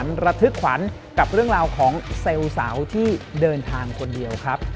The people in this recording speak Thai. มันระทึกขวัญกับเรื่องราวของเซลล์สาวที่เดินทางคนเดียวครับ